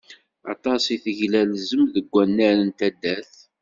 Aṭas i teglalzem deg wannar n taddart.